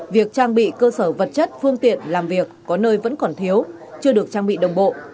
việc trang bị cơ sở vật chất phương tiện làm việc có nơi vẫn còn thiếu chưa được trang bị đồng bộ